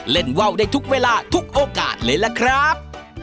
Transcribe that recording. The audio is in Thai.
ว่าวได้ทุกเวลาทุกโอกาสเลยล่ะครับ